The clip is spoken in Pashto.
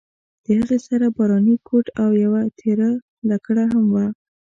د هغې سره باراني کوټ او یوه تېره لکړه هم وه.